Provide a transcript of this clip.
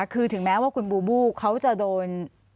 คือถึงแม้ว่าคุณบูบูเขาจะโดน